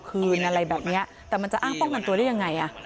คืนอะไรแบบนี้แต่มันจะอ้างป้องกันตัวได้ยังไงอ่ะ